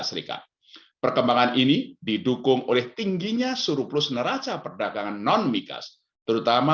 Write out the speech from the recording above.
serikat perkembangan ini didukung oleh tingginya surplus neraca perdagangan non migas terutama